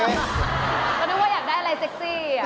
ก็นึกว่าอยากได้อะไรเซ็กซี่